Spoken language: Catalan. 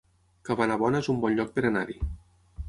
Cabanabona es un bon lloc per anar-hi